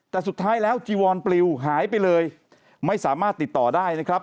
แต่สุดท้ายแล้วจีวอนปลิวหายไปเลยไม่สามารถติดต่อได้นะครับ